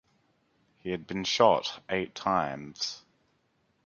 He had been shot eight times.